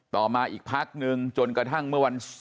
ต่อมาอีกพักนึงจนกระทั่งเมื่อวัน